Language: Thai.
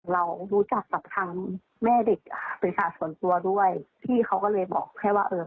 เรารู้จักกับทางแม่เด็กอ่ะบริษัทส่วนตัวด้วยพี่เขาก็เลยบอกแค่ว่าเออ